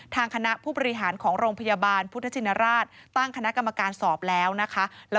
ทางคณะผู้บริหารของโรงพยาบาลพุทธชินราชตั้งคณะกรรมการสอบแล้วนะคะ